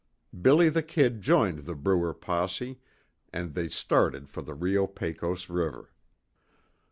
"Billy the Kid" joined the Bruer posse, and they started for the Rio Pecos river.